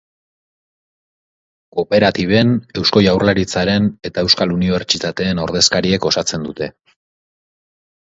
Kooperatiben, Eusko Jaurlaritzaren eta euskal unibertsitateen ordezkariek osatzen dute.